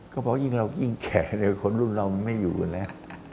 ก็เพราะยิ่งเรายิ่งแก่เลยคนรุ่นเราไม่อยู่แล้ว